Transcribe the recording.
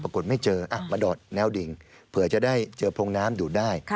ไม่เจอมาดอดแนวดิ่งเผื่อจะได้เจอพรงน้ำดูดได้